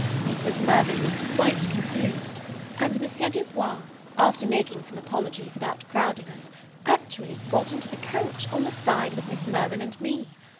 Mrs. Mirvan looked quite confounded; and M. Du Bois, after making some apologies about crowding us, actually got into the coach, on the side with Miss Mirvan and me.